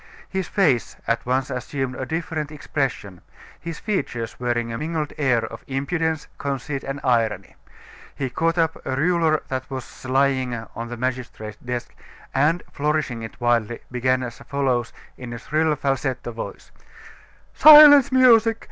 His face at once assumed a different expression, his features wearing a mingled air of impudence, conceit, and irony. He caught up a ruler that was lying on the magistrate's desk, and, flourishing it wildly, began as follows, in a shrill falsetto voice: "Silence, music!